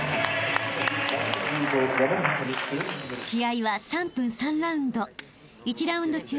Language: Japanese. ［試合は３分３ラウンド］